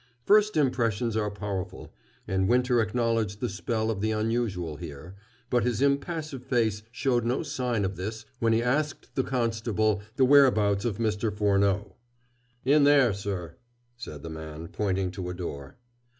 First impressions are powerful, and Winter acknowledged the spell of the unusual here, but his impassive face showed no sign of this when he asked the constable the whereabouts of Mr. Furneaux. "In there, sir," said the man, pointing to a door.